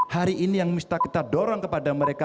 hari ini yang bisa kita dorong kepada mereka